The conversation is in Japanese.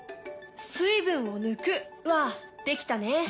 「水分を抜く」はできたね。